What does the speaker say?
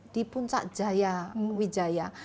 di puncak jaya wijaya